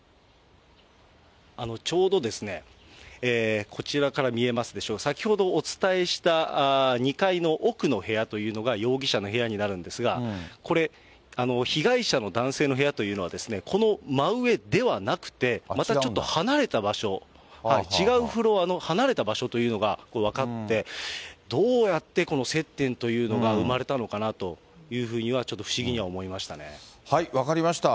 ちょうどですね、こちらから見えますでしょうか、先ほどお伝えした２階の奥の部屋というのが容疑者の部屋になるんですが、これ、被害者の男性の部屋というのは、この真上ではなくて、またちょっと離れた場所、違うフロアの離れた場所というのが分かって、どうやってこの接点というのが生まれたのかなというふうには、分かりました。